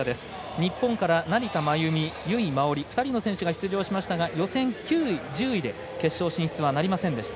日本から成田真由美、由井真緒里２人の選手が出場しましたが予選９位、１０位で決勝進出はなりませんでした。